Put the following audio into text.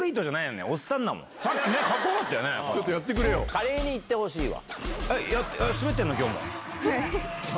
華麗に行ってほしいわ。